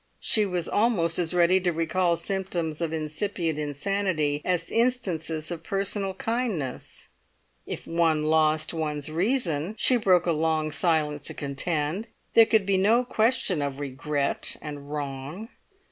She was almost as ready to recall symptoms of incipient insanity as instances of personal kindness; if one lost one's reason, she broke a long silence to contend, there could be no question of regret and wrong.